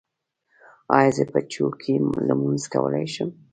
ایا زه په چوکۍ لمونځ کولی شم؟